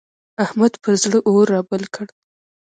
احمد پر زړه اور رابل کړ.